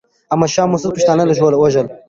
احمد شاه مسعود پښتانه وژل.